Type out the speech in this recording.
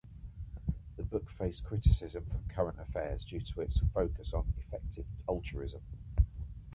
The book faced criticism from "Current Affairs" due to its focus on effective altruism.